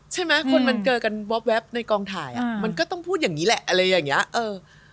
ใช่ไหมคนมันเจอกันแว๊บในกองถ่ายอ่ะมันก็ต้องพูดอย่างนี้แหละอะไรอย่างนี้